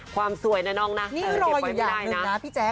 ความสวยนะน้องนะนี่รออยู่อย่างหนึ่งนะพี่แจ๊